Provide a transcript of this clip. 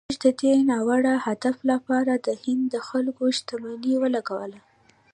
موږ د دې ناوړه هدف لپاره د هند د خلکو شتمني ولګوله.